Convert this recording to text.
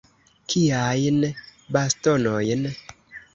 Kiajn bastonojn?